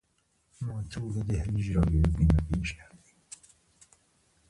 ما طول دهلیز را گرفتیم و پیش رفتیم.